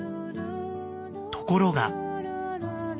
ところが。